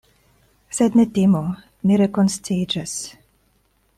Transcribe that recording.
Sed ne timu; mi rekonsciiĝas.